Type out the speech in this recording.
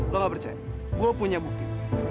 lo gak percaya gue punya bukti